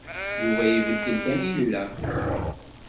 Yuba ibeddel tanila.